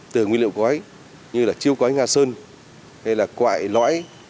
từ nguyên liệu cõi như chiêu cõi nga sơn hay quại lõi